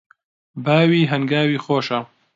باوی هەنگاوی خۆشە